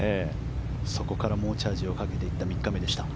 そこから猛チャージをかけていった３日目でした。